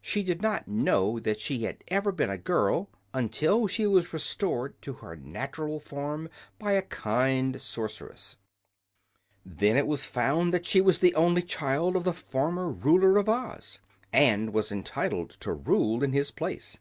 She did not know that she had ever been a girl until she was restored to her natural form by a kind sorceress. Then it was found that she was the only child of the former Ruler of Oz, and was entitled to rule in his place.